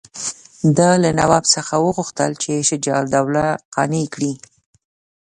ده له نواب څخه وغوښتل چې شجاع الدوله قانع کړي.